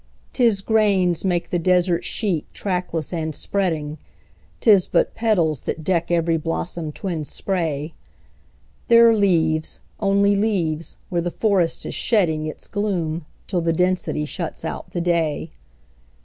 'Tis grains make the desert sheet, trackless and spreading; 'Tis but petals that deck every blossom twinned spray; There are leaves only leaves where the forest is shedding Its gloom till the density shuts out the day.